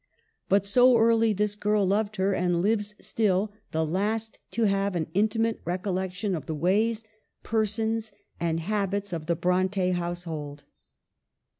But so early this girl loved her ; and lives still, the last to have an intimate recollec tion of the ways, persons, and habits of the Bronte household.